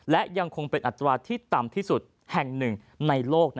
และยังคงเป็นอัตราที่ต่ำที่สุดแห่งหนึ่งในโลก